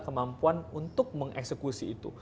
kemampuan untuk mengeksekusi itu